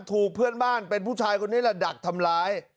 ถูกเพื่อนบ้านเป็นผู้ชายคนนี้ละดักทำร้าย